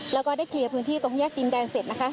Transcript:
แล้วก็คลีย์พื้นที่ตรงแคลร์ดินแดงเสร็จ